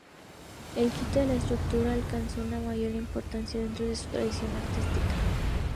En Quito la escultura alcanzó una mayor importancia dentro de su tradición artística.